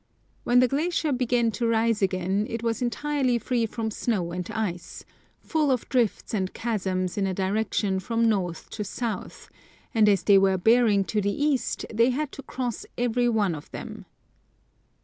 Where the glacier began to rise again, it was entirely free from snow and ice, full of drifts and chasms in a direction from north to south, and as they were bearing to the east they had to cross every one of them.